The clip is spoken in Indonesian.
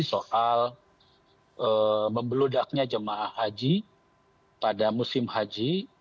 soal membeludaknya jamaah haji pada musim haji